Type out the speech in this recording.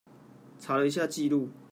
查了一下記錄